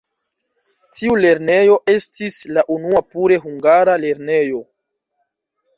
Tiu lernejo estis la unua pure hungara lernejo.